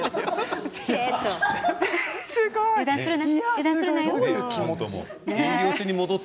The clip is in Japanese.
油断するなよ。